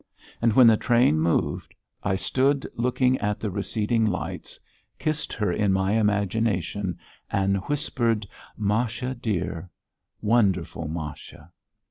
And when the train moved, I stood looking at the receding lights, kissed her in my imagination and whispered: "Masha dear, wonderful Masha!..."